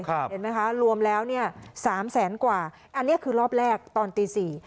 เห็นไหมคะรวมแล้วเนี่ยสามแสนกว่าอันนี้คือรอบแรกตอนตีสี่